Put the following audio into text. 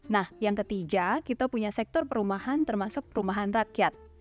nah yang ketiga kita punya sektor perumahan termasuk perumahan rakyat